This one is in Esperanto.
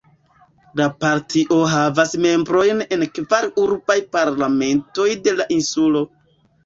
La partio havas membrojn en kvar urbaj parlamentoj de la insulo.